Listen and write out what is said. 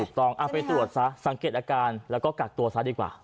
เอาไปตรวจซะสังเกตอาการแล้วก็กักตัวซะดีกว่า